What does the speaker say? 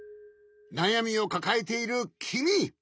なやみをかかえているきみ！